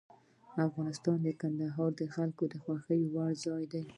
افغانستان کې کندهار د خلکو د خوښې وړ ځای دی.